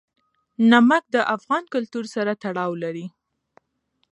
نمک د افغان کلتور سره تړاو لري.